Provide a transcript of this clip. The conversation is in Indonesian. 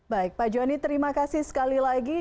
baik pak joni terima kasih sekali lagi